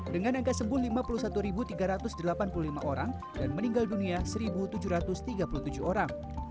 dengan angka sembuh lima puluh satu tiga ratus delapan puluh lima orang dan meninggal dunia satu tujuh ratus tiga puluh tujuh orang